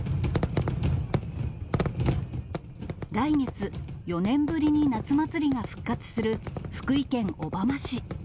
来月、４年ぶりに夏祭りが復活する福井県小浜市。